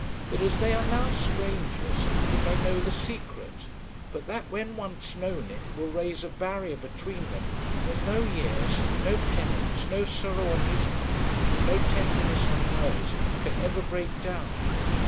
that as they are now strangers he may know the secret; but that when once known it will raise a barrier between them that no years, no penance, no sorrow on his part, no tenderness on hers, can ever break down.